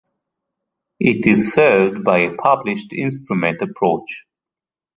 It is served by a published instrument approach.